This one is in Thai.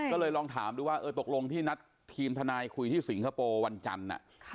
ก็เลยลองถามดูว่าตกลงที่นัดทีมทนายคุยที่สิงคโปร์วันจันทร์